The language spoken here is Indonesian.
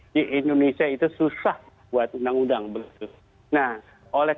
di indonesia itu susah buat undang undang